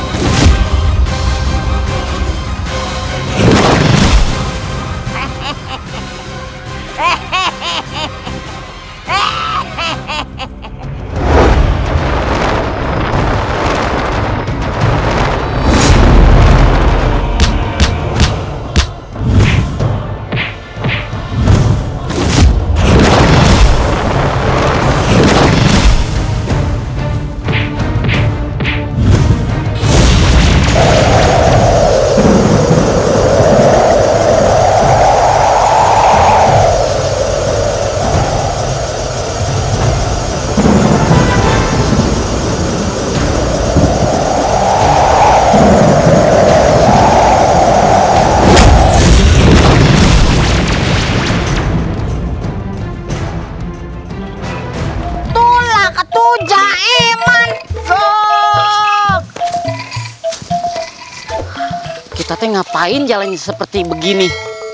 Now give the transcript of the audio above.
tulla ketuja eman sook kita tengah pain jalani seperti begini